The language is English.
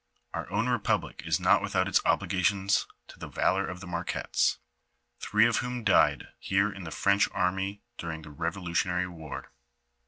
Our own republic is not without its obligations to the valor of the Marquettes, three of whom died here in the French army during the Kevolutionary war.